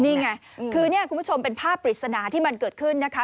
นี่ไงคือเนี่ยคุณผู้ชมเป็นภาพปริศนาที่มันเกิดขึ้นนะคะ